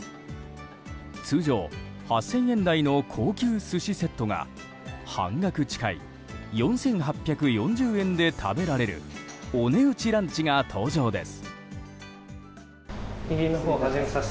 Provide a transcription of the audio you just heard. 通常８０００円台の高級寿司セットが半額近い４８４０円で食べられるお値打ちランチが登場です。